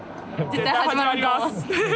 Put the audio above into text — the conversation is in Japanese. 絶対始まります。